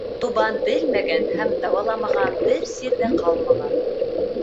Дубан белмәгән һәм дауаламаған бер сир ҙә ҡалмаған.